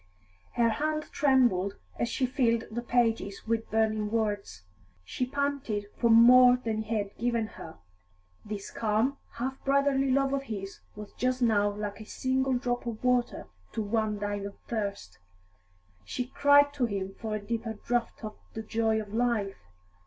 Her hand trembled as she filled the pages with burning words. She panted for more than he had given her; this calm, half brotherly love of his was just now like a single drop of water to one dying of thirst; she cried to him for a deeper draught of the joy of life.